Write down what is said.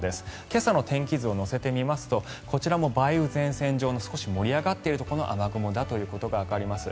今朝の天気図を乗せてみますとこちらも梅雨前線上の少し盛り上がっているところの雨雲だということがわかります。